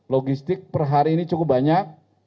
logistik per hari ini cukup banyak